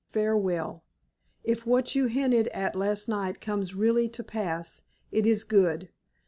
Farewell! If what you hinted at last night comes really to pass it is good.